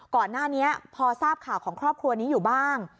ก่อนหน้านี้พอทราบข่าวของครอบครัวนี้อยู่บ้าง